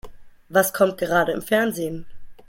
Was kommt gerade im Fernsehen?